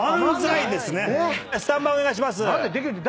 スタンバイお願いします。